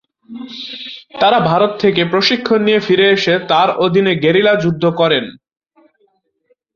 তারা ভারত থেকে প্রশিক্ষণ নিয়ে ফিরে এসে তার অধীনে গেরিলা যুদ্ধ করেন।